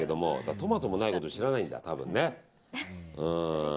トマトもないこと知らないんだ多分ね。